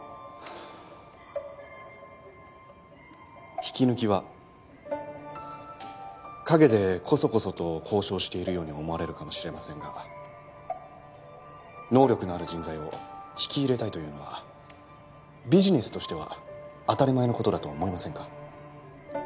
引き抜きは陰でコソコソと交渉しているように思われるかもしれませんが能力のある人材を引き入れたいというのはビジネスとしては当たり前の事だと思いませんか？